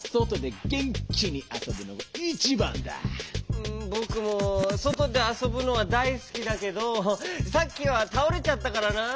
うんぼくもそとであそぶのはだいすきだけどさっきはたおれちゃったからな。